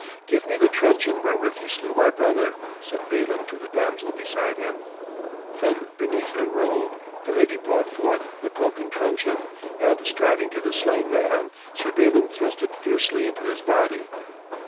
'Give me the truncheon wherewith he slew thy brother!' said Balin to the damsel beside him. From beneath her robe the lady brought forth the broken truncheon, and striding to the slain man, Sir Balin thrust it fiercely into his body.